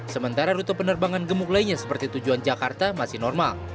sementara rute penerbangan gemuk lainnya seperti tujuan jakarta masih normal